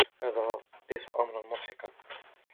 هذا ليس أمراً مضحكاً.